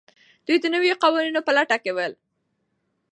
دوی د نویو قوانینو په لټه کې ول.